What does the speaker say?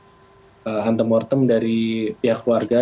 untuk menghantar data antem ortem dari pihak keluarga